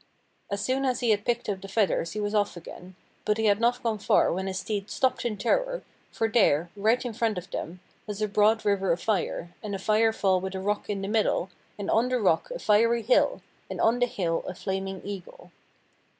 As soon as he had picked up the feathers he was off again, but he had not gone far when his steed stopped in terror, for there, right in front of them, was a broad river of fire, and a fire fall with a rock in the middle, and on the rock a fiery hill, and on the hill a flaming eagle.